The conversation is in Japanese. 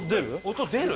音出る？